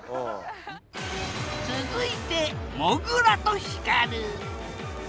続いてもぐらとヒカル！